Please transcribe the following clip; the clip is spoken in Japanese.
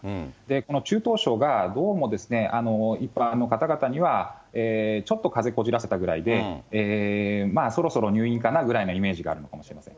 この中等症が、どうも一般の方々には、ちょっとかぜこじらせたぐらいで、そろそろ入院かなぐらいのイメージがあるのかもしれません。